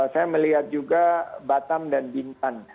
saya melihat juga batam dan bintan